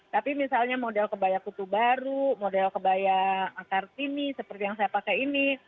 tapi misalnya model kebaya kutubaru model kebaya akartini seperti yang saya pakai ini